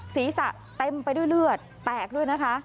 ศีรษะเต็มไปด้วยเลือดแตกด้วยนะคะ